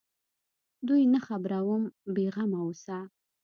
دوى نه خبروم بې غمه اوسه.